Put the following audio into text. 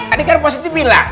ini kan positif lah